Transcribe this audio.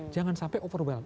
jangan sampai over well